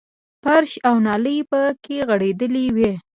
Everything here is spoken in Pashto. فرش او نالۍ پکې غړېدلې وې.